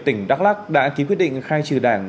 tỉnh đắk lắc đã ký quyết định khai trừ đảng